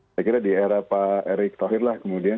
saya kira di era pak erick thohir lah kemudian